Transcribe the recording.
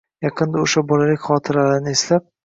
Yaqinda o‘sha bolalik xotiralarimni eslab